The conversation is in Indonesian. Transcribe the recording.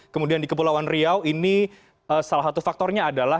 kemudian di kepulauan riau ini salah satu faktornya adalah